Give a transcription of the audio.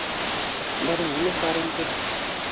—Бының нимәһе бар инде.